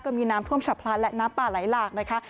มีน้ำท่วมฉับพลันและน้ำป่าไหลหลากนะคะ